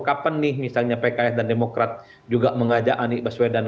kapan nih misalnya pks dan demokrat juga mengajak anies baswedan